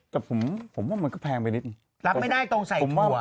แต่ผมว่ามันก็แพงไปนิดนึงรับไม่ได้ต้องใส่ถั่ว